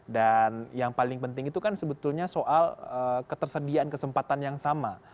dan yang paling penting itu kan sebetulnya soal ketersediaan kesempatan yang sama